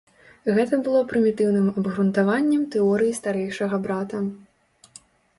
Гэта было прымітыўным абгрунтаваннем тэорыі старэйшага брата.